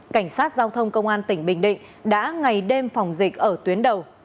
cảnh sát giao thông công an tỉnh bình định đã ngày đêm phòng dịch ở tuyến đầu